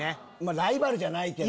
ライバルじゃないけど。